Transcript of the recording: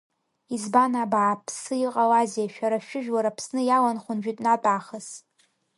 Избан абааԥсы иҟалазеи, шәара шәыжәлар Аԥсны иаланхон жәытә-натә аахыс.